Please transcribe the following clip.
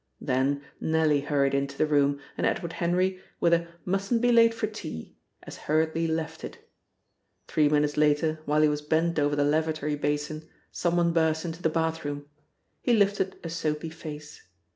Then Nellie hurried into the room, and Edward Henry, with a "Mustn't be late for tea," as hurriedly left it. Three minutes later, while he was bent over the lavatory basin, someone burst into the bathroom. He lifted a soapy face.